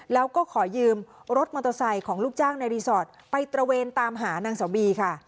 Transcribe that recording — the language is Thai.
แล้วก็ขอยืมรถมอเตอร์ไซค์ของลูกจ้างในรีสอร์ทไปตระเวนตามหานางสาวบีค่ะ